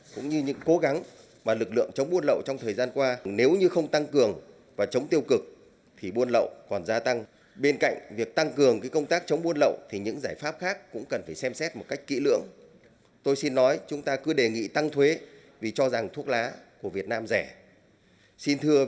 cũng như những giải pháp hữu hiệu